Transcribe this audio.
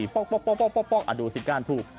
ป๊อกดูสิการทูป